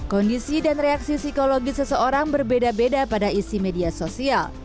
kondisi dan reaksi psikologi seseorang berbeda beda pada saat berada di dalam media sosial